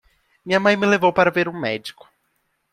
Minha mãe me levou para ver um médico.